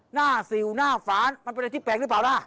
สิวหน้าฝานมันเป็นอะไรที่แปลกหรือเปล่าล่ะ